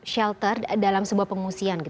shelter dalam sebuah pengungsian